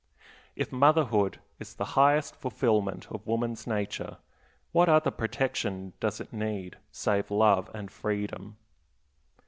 If motherhood is the highest fulfillment of woman's nature, what other protection does it need, save love and freedom?